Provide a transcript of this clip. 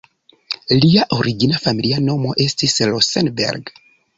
Lia origina familia nomo estis "Rosenberg".